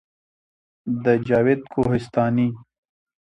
د جاوید کوهستاني